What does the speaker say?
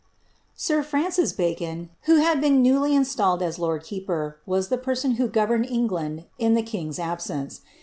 39S Sir Fnncis Bacon, who had been newly metalled as lord keeper,' was the person who governed England in the king^s absence.